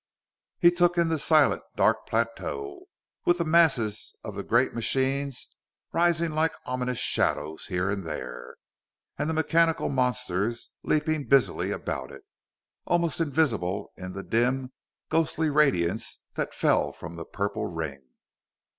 He took in the silent, dark plateau, with the masses of the great machines rising like ominous shadows here and there, and the mechanical monsters leaping busily about it, almost invisible in the dim, ghostly radiance that fell from the purple ring.